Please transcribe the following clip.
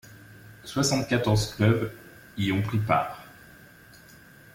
Soixante-quatorze clubs y ont pris part.